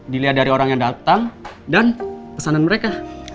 dilihat dari orang yang datang dan pesanan mereka